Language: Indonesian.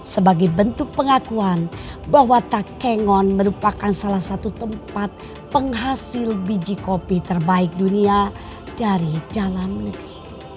sebagai bentuk pengakuan bahwa takengon merupakan salah satu tempat penghasil biji kopi terbaik dunia dari dalam negeri